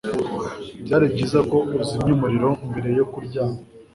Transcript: Byari byiza ko uzimya umuriro mbere yo kuryama